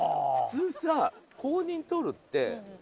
普通さ公認取るって。